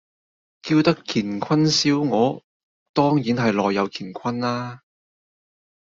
叫得乾坤燒鵝，當然係內有乾坤啦